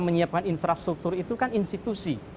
menyiapkan infrastruktur itu kan institusi